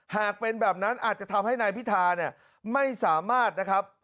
หากเป็นแบบนั้นอาจจะทำให้นายพิธาเนี่ยไม่สามารถนะครับ